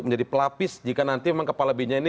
jika nanti memang kepala binnya ini